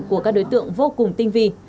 của các đối tượng vô cùng tinh vi